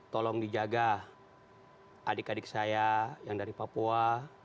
tolong dijaga adik adik saya yang dari papua